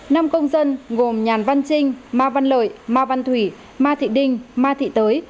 năm công dân gồm nhàn văn trinh ma văn lợi ma văn thủy ma thị đinh ma thị tới